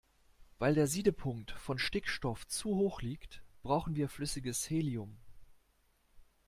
Weil der Siedepunkt von Stickstoff zu hoch liegt, brauchen wir flüssiges Helium.